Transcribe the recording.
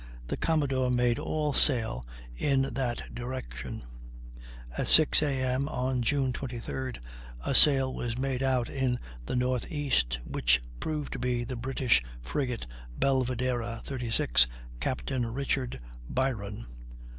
the Commodore made all sail in that direction. At 6 A.M. on June 23d a sail was made out in the N. E., which proved to be the British frigate Belvidera, 36, Capt. Richard Byron.